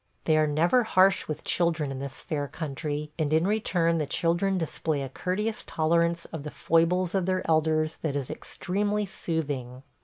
They are never harsh with children in this fair country, and in return the children display a courteous tolerance of the foibles of their elders that is extremely soothing.